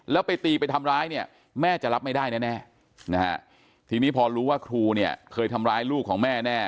แล้วไปตีไปทำร้ายเนี่ยแม่จะรับไม่ได้แน่นะฮะทีนี้พอรู้ว่าครูเนี่ยเคยทำร้ายลูกของแม่แน่